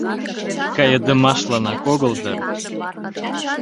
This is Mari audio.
Кайыдымашланак огыл дыр?